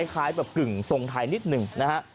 คล้ายแบบกึ่งทรงไทยนิดหนึ่งนะฮะ